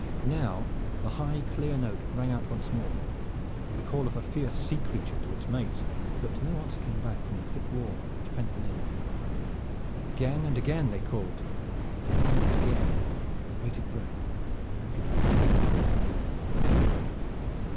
Now the high clear note rang out once more, the call of a fierce sea creature to its mates, but no answer came back from the thick wall which pent them in. Again and again they called, and again and again with bated breath they waited for an answer.